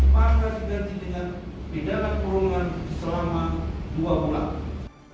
maka diganti dengan pidana perundungan selama dua bulan